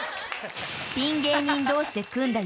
［ピン芸人同士で組んだ